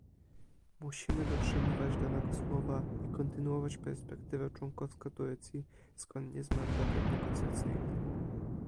Musimy dotrzymywać danego słowa i kontynuować perspektywę członkostwa Turcji zgodnie z mandatem negocjacyjnym